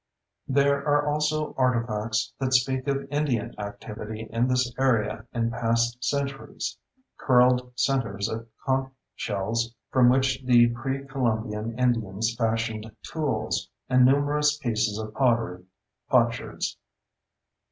There are also artifacts that speak of Indian activity in this area in past centuries, curled centers of conch shells from which the pre Columbian Indians fashioned tools, and numerous pieces of pottery (potsherds).